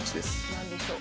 何でしょう？